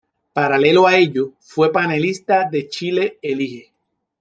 Paralelo a ello fue panelista de Chile Elige.